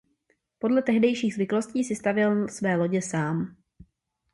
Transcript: Podle tehdejších zvyklostí si stavěl své lodě sám.